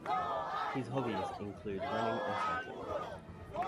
His hobbies include running and cycling.